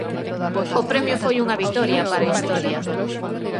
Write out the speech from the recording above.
O premio foi unha vitoria para a historia.